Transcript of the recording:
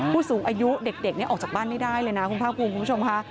ผู้สูงอายุเด็กออกจากบ้านไม่ได้เลยนะคุณภาคภูมิคุณผู้ชมค่ะ